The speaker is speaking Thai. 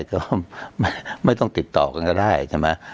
ก็ไม่ต้องติดต่อกันก็ได้ใช่ไหม